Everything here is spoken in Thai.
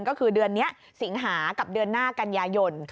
ก็คือเดือนนี้สิงหากับเดือนหน้ากันยายน